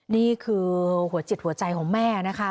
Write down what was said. นี่คือหัวจิตหัวใจของแม่นะคะ